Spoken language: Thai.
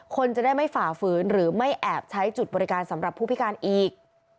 คนจะได้ไม่ฝ่าฝืนหรือไม่แอบใช้จุดบริการสำหรับผู้พิการอีก